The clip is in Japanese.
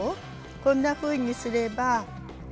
こんなふうにすれば。